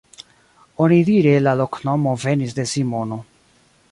Onidire la loknomo venis de Simono.